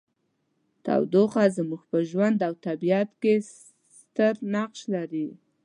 تودوخه زموږ په ژوند او طبیعت کې ستر نقش لري.